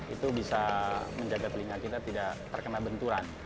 itu bisa menjaga telinga kita tidak terkena benturan